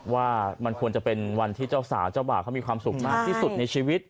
ว่ามันควรจะเป็นวันที่เจ้าสาวเจ้าบ่าวเขามีความสุขมากที่สุดในชีวิต